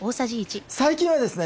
最近はですね